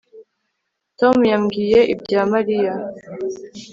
Tom yambwiye ibya Mariya